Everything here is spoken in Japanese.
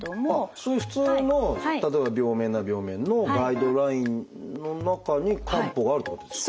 そういう普通の例えば病名なら病名のガイドラインの中に漢方があるってことですか？